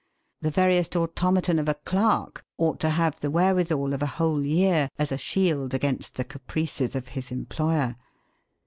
The veriest automaton of a clerk ought to have the wherewithal of a whole year as a shield against the caprices of his employer.